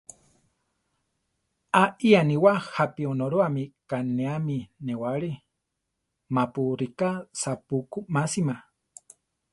Aʼl aníwa jápi Onorúame kanéami newáli, mapu ríka sapú ku másima.